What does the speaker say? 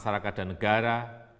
rakyat dan negara